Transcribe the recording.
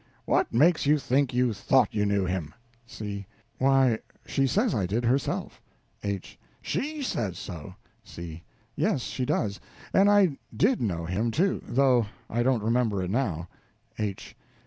What makes you think you thought you knew him? C. Why, she says I did, herself. H._ She_ says so! C. Yes, she does, and I _did _know him, too, though I don't remember it now. H.